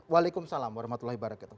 waalaikumsalam warahmatullahi wabarakatuh